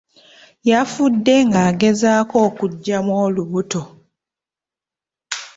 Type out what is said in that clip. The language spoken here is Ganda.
Yafudde ng'agezaako okuggyamu olubuto.